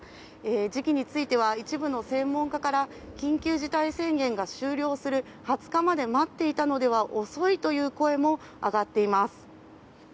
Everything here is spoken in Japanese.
時期については一部の専門家から緊急事態宣言が終了する２０日まで待っていたのでは遅いという声も上がっています。